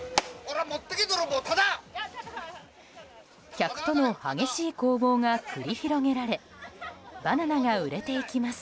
客との激しい攻防が繰り広げられバナナが売れていきます。